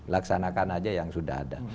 laksanakan aja yang sudah ada